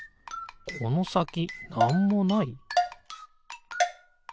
このさきなんもない？